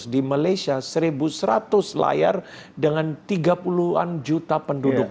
di malaysia satu seratus layar dengan tiga puluh an juta penduduk